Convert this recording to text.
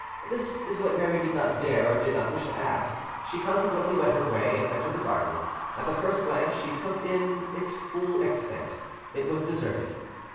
This is what Mary did not dare or did not wish to ask. She consequently went her way, and entered the garden: at the first glance she took it in in its full extent; it was deserted.